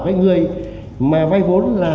các người mà vay vốn là